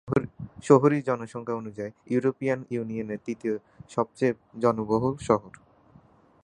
শহুরে জনসংখ্যা অনুযায়ী ইউরোপিয়ান ইউনিয়নের তৃতীয় সবচেয়ে জনবহুল শহর।